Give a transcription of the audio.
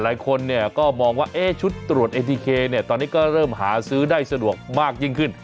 หลายคนเนี่ยก็มองว่าชุดตรวจเอทีเคตอนนี้ก็เริ่มหาซื้อได้สะดวกมากยิ่งขึ้น